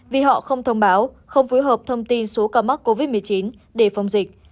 vì họ không thông báo không phối hợp thông tin số ca mắc covid một mươi chín để phòng dịch